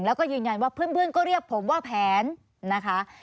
แล้วก็ยืนยันว่าเพื่อนก็เรียกผมว่าแผนนะคะ